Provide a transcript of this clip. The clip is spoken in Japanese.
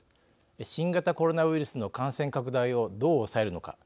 新型コロナウイルスの感染拡大をどう抑えるのか。